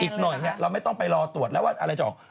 กินเนี่ยเราไม่ต้องไปรอตรวจเล่าว่าอะไรจะออก